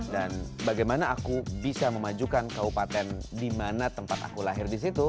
dan bagaimana aku bisa memajukan kabupaten dimana tempat aku lahir di situ